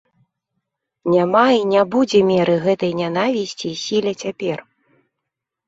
Няма і не будзе меры гэтай нянавісці і сіле цяпер!